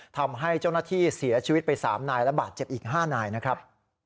ทำให้เจ้าหน้าที่เสียชีวิตไป๓นายและบาดเจ็บอีก๕นายนะครับ